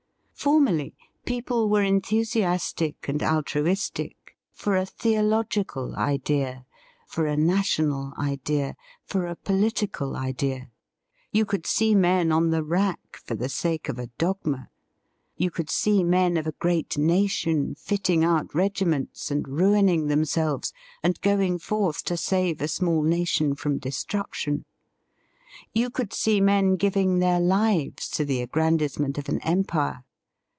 Formerly, people were enthusiastic and altruistic for a theological idea, for a national idea, for a political idea. You could see men on the rack for the sake of a dogma; you could see men of a great nation fitting out regiments and ruin ing themselves and going forth to save a small nation from destruction. You could see men giving their lives to the aggrandisement of an empire.